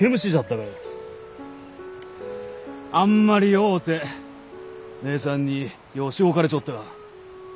あんまり弱うて姉さんにようしごかれちょった。